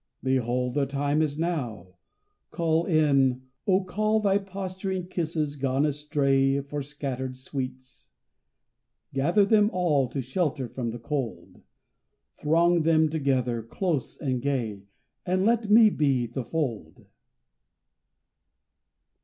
Behold, The time is now! Call in, O call Thy posturing kisses gone astray For scattered sweets. Gather them all To shelter from the cold. Throng them together, close and gay, And let me be the fold!